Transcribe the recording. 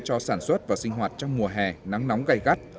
cho sản xuất và sinh hoạt trong mùa hè nắng nóng gây gắt